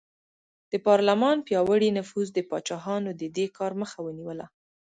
د پارلمان پیاوړي نفوذ د پاچاهانو د دې کار مخه ونیوله.